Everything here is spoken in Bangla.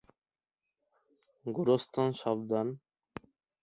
গোরস্থানে সাবধান!